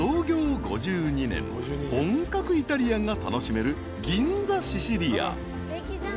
［本格イタリアンが楽しめる銀座シシリア］